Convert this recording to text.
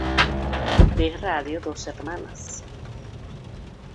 D-Radio Dos Hermanas.